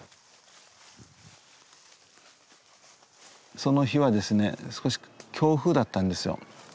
その日はですね少し強風だったんですよ。